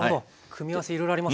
組み合わせいろいろありますね。